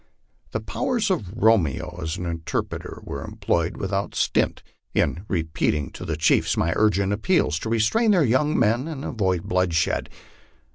The powers of Romeo as interpreter were employed without stint, in re peating to the chiefs my urgent appeals to restrain their young men and avoid bloodshed.